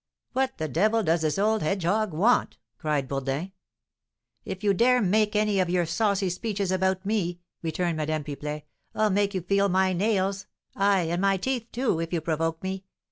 "What the devil does this old hedgehog want?" cried Bourdin. "If you dare make any of your saucy speeches about me," returned Madame Pipelet, "I'll make you feel my nails, ay, and my teeth, too, if you provoke me!